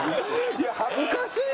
いや恥ずかしい！